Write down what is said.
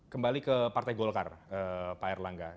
kembali ke partai golkar pak erlangga